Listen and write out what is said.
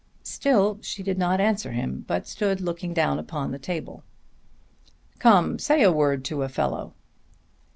Still she did not answer him but stood looking down upon the table. "Come; say a word to a fellow."